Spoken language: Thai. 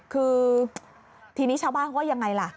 คือทีนี้ชาวบ้านเขาว่ายังไงล่ะ